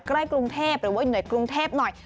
ใกล้กรุงเทพหรือว่าอยู่ในกรุงเทพหน่อย